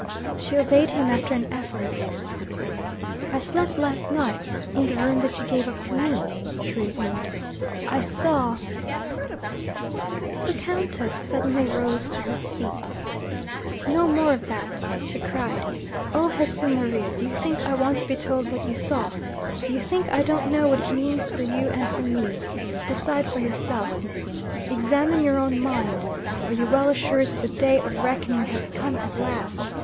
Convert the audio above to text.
She obeyed him after an effort. 'I slept last night in the room that you gave up to me,' she resumed. 'I saw ' The Countess suddenly rose to her feet. 'No more of that,' she cried. 'Oh, Jesu Maria! do you think I want to be told what you saw? Do you think I don't know what it means for you and for me? Decide for yourself, Miss. Examine your own mind. Are you well assured that the day of reckoning has come at last?